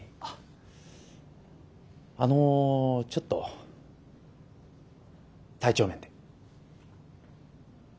ああのちょっと体調面で。